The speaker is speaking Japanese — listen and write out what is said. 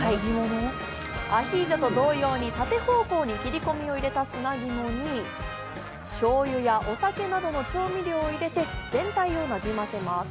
アヒージョと同様に縦方向に切れ込みを入れた砂肝に、醤油やお酒などの調味料を入れて全体をなじませます。